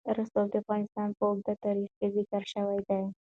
رسوب د افغانستان په اوږده تاریخ کې ذکر شوی دی.